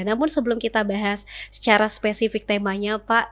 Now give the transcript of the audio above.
namun sebelum kita bahas secara spesifik temanya pak